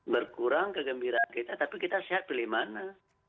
berkurang kegembiraan kita tapi kita sehat pilih mana